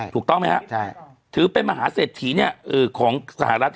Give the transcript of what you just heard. ถูกต้องไหมครับถือเป็นมหาเศรษฐีของสหรัฐ